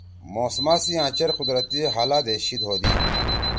موسما سی آں چیر قدرتی حالاتے شید ہودی۔